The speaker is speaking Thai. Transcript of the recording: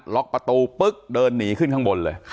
ล็อกประตูปุ๊บเดินหนีขึ้นข้างบนเลย